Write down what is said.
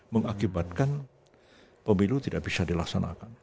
mengakibatkan pemilu tidak bisa dilaksanakan